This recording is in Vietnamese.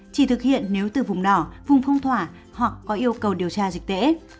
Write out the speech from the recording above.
chỉ thực hiện nếu từ vùng đỏ vùng phong tỏa hoặc có yêu cầu điều tra dịch tễ